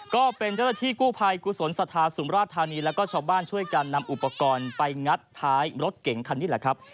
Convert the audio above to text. ก็เป็นเจ้าหน้าที่กู้ภัยกุศลสัทธาสุมราชธานีแล้วก็ชาวบ้านช่วยกันนำอุปกรณ์ไปงัดท้ายรถเก่งคันนี้แหละครับ